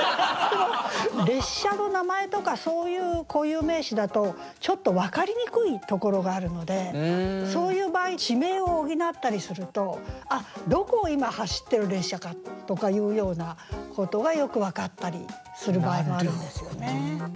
列車の名前とかそういう固有名詞だとちょっと分かりにくいところがあるのでそういう場合地名を補ったりするとどこを今走ってる列車かとかいうようなことがよく分かったりする場合もあるんですよね。